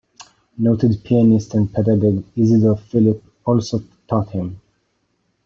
Noted pianist and pedagogue Isidor Philipp also taught him.